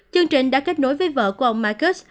chương trình đã kết nối với vợ của ông markus